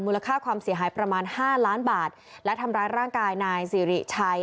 ค่าความเสียหายประมาณห้าล้านบาทและทำร้ายร่างกายนายสิริชัย